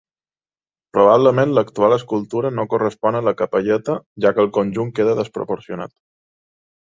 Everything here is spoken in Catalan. Probablement l'actual escultura no correspon a la capelleta, ja que el conjunt queda desproporcionat.